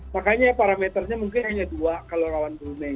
makanya parameternya mungkin hanya dua kalau rawan brunei